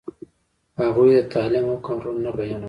هغوی د تعلیم حکم روڼ نه بیانولو.